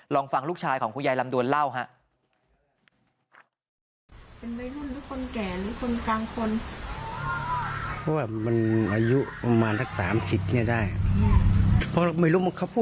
ลองฟังลูกชายของคุณยายลำดวนเล่าครับ